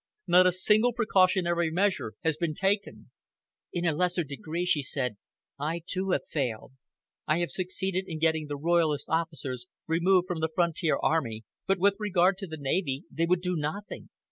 Not a single precautionary measure has been taken." "In a lesser degree," she said, "I, too, have failed. I have succeeded in getting the royalist officers removed from the frontier army, but with regard to the navy, they would do nothing.